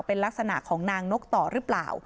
เป็นลักษณะของนางนกต่อหรือเปล่า